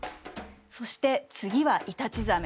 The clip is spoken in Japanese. そして次はイタチザメ。